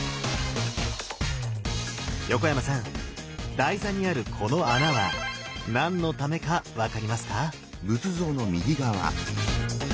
横山さん台座にあるこの穴は何のためか分かりますか？